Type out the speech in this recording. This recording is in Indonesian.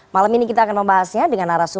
malam ini kita akan membahasnya dengan anwar tenggara